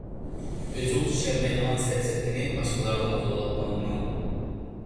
ئۆزىڭىز ئىشەنمەيدىغان سەپسەتىنى باشقىلارغا زورلاپ تاڭماڭ.